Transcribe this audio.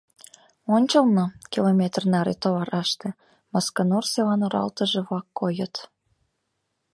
Ончылно, километр наре тораште, Масканур селан оралтыже-влак койыт.